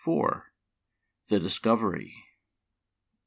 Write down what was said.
The Discovery.